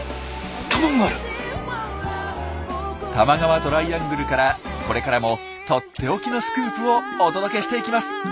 多摩川トライアングルからこれからもとっておきのスクープをお届けしていきます！